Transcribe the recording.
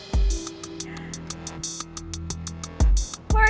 gak bisa menjawabkan om